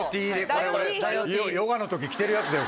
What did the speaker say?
これ俺ヨガの時着てるやつだよ